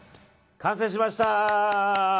完成しました！